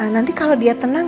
nanti kalo dia tenang